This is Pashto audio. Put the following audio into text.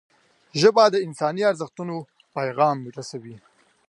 ژبه د انساني ارزښتونو پیغام رسوي